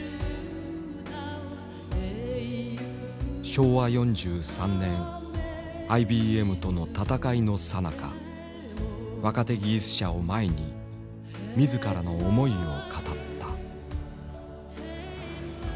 昭和４３年ＩＢＭとのたたかいのさなか若手技術者を前に自らの思いを語った。